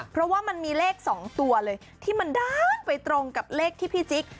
เพราะว่ามันมีเลข๒ตัวเลยที่มันด้านไปตรงกับเลขที่พี่จิ๊ก